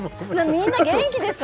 みんな元気ですか？